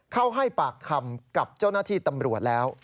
เข้าให้ปากคำกับเจ้าหน้าที่ตำรวจแล้ว